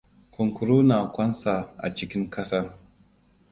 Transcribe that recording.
Kunkuru na ƙwansa a cikin ƙasa.